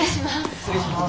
失礼します。